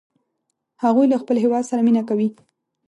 هغوی له خپل هیواد سره مینه کوي